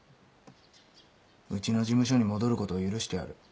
うちの事務所に戻ることを許してやる。